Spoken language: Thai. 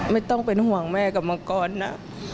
ไม่ต้องเป็นห่วงแม่กับมังกรนะ